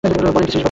বলেন কী শ্রীশবাবু!